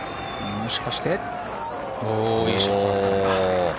もしかして。